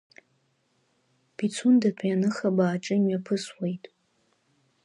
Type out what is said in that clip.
Пицундатәи аныхабаа аҿы имҩаԥысуеит.